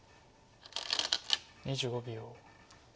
２５秒。